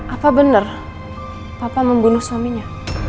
apa benar papa membunuh suaminya